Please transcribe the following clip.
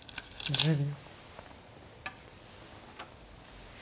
１０秒。